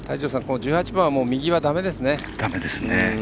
１８番、右はだめですね。